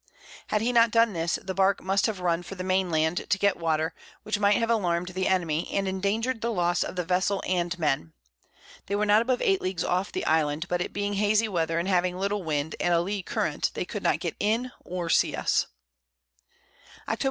Had he not done this, the Bark must have run for the Main Land to get Water, which might have alarm'd the Enemy, and endanger'd the Loss of the Vessel and Men. They were not above 8 Leagues off the Island, but it being hazey Weather, and having little Wind, and a Lee Current, they could not get in, or see us. _Octob.